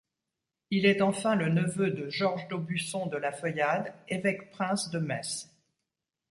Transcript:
Il est enfin le neveu de Georges d'Aubusson de la Feuillade, évêque-prince de Metz.